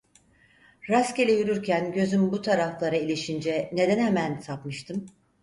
Rastgele yürürken gözüm bu taraflara ilişince neden hemen sapmıştım?